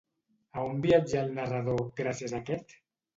A on viatja el narrador gràcies a aquest?